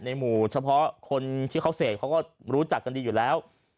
หมู่เฉพาะคนที่เขาเสพเขาก็รู้จักกันดีอยู่แล้ว